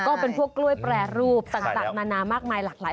ก็เป็นพวกกล้วยแปรรูปต่างนานามากมายหลากหลาย